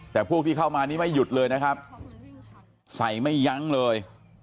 แต่พวกที่เข้ามานี่ไม่หยุดเลยนะครับใส่ไม่ยั้งเลย